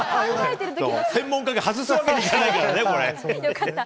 専門家が外すわけにいかないよかった。